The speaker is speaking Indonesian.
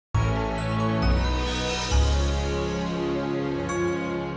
aku adalah raja pada